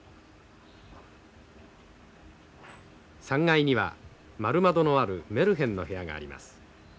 ３階には丸窓のあるメルヘンの部屋があります。